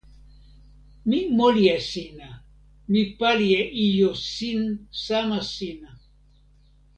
mi moli e sina. mi pali e ijo sin sama sina.